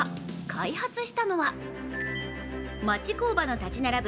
開発したのは、町工場の立ち並ぶ